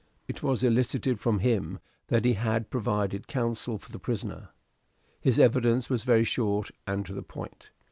It was elicited from him that he had provided counsel for the prisoner. His evidence was very short and to the point.